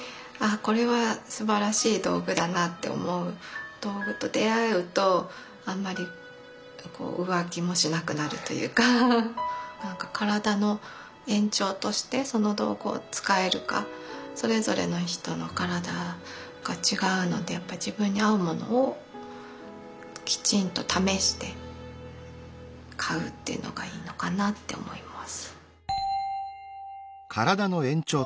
これはすばらしい道具だなって思う道具と出会うとあんまり浮気もしなくなるというかなんか体の延長としてその道具を使えるかそれぞれの人の体が違うのでやっぱ自分に合うものをきちんと試して買うっていうのがいいのかなと思います。